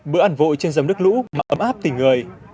bữa ăn vội trên dầm nước lũ mà ấm áp tỉnh người